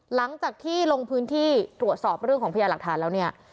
หลังจากที่ลงพื้นที่ตรวจสอบเรื่องของพญาหลักฐานแล้วเนี่ย